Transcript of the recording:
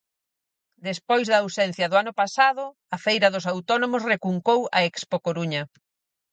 Despois da ausencia do ano pasado, a feira dos autónomos recuncou a Expocoruña.